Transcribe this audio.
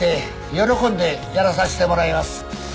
喜んでやらさせてもらいます。